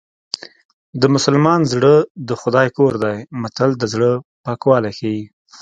د مسلمان زړه د خدای کور دی متل د زړه پاکوالی ښيي